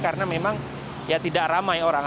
karena memang tidak ramai orang